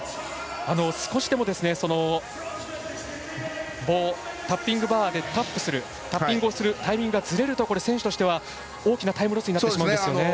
少しでもそのタッピングバーでタップする、タッピングをするタイミングがずれると、選手としては大きなタイムロスするんですよね。